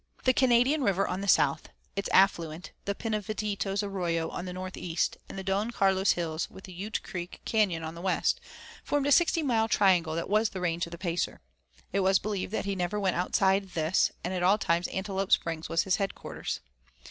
The Canadian River on the south, its affluent, the Pinavetitos Arroyo, on the northeast, and the Don Carlos Hills with the Ute Creek Canyon on the west, formed a sixty mile triangle that was the range of the Pacer. It was believed that he never went outside this, and at all times Antelope Springs was his headquarters.